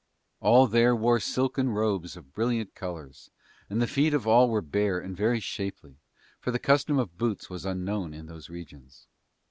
All there wore silken robes of brilliant colours and the feet of all were bare and very shapely for the custom of boots was unknown in those regions.